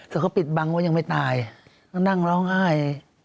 แต่เขาปิดบังว่ายังไม่ตายก็นั่งร้องไห้